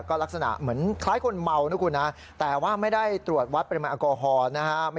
ก็ลักษณะเหมือนคล้ายคนเมานะคุณนะแต่ว่าไม่ได้ตรวจวัดปริมาณแอลกอฮอล์นะฮะ